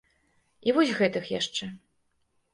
І вось гэтых яшчэ.